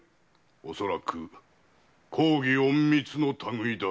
恐らく公儀隠密の類。